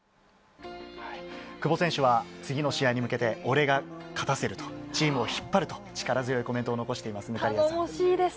久保選手は次の試合に向けて、俺が勝たせるとチームを引っ張ると力強いコメントを残しています。